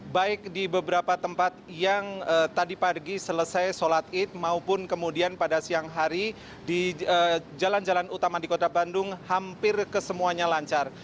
baik di beberapa tempat yang tadi pagi selesai sholat id maupun kemudian pada siang hari di jalan jalan utama di kota bandung hampir kesemuanya lancar